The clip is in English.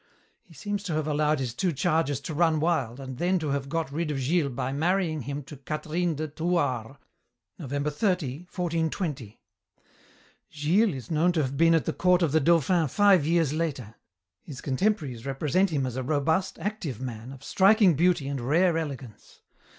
He seems to have allowed his two charges to run wild, and then to have got rid of Gilles by marrying him to Catherine de Thouars, November 30, 1420. "Gilles is known to have been at the court of the Dauphin five years later. His contemporaries represent him as a robust, active man, of striking beauty and rare elegance.